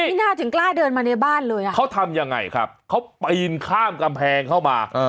น่าถึงกล้าเดินมาในบ้านเลยอ่ะเขาทำยังไงครับเขาปีนข้ามกำแพงเข้ามา